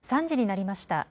３時になりました。